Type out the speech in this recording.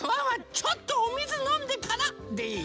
ちょっとおみずのんでからでいい？